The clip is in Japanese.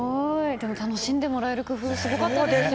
でも楽しんでもらえる工夫がすごかったですよね。